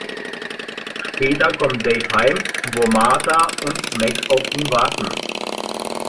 Später kommt Dave heim, wo Martha und Megs auf ihn warten.